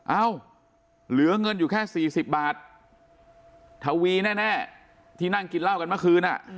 เอ้าเหลือเงินอยู่แค่๔๐บาททวีแน่ที่นั่งกินเหล้ากันเมื่อคืนอ่ะ